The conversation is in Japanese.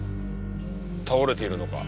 倒れているのか？